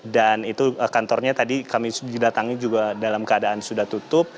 dan itu kantornya tadi kami sudah datangnya juga dalam keadaan sudah tutup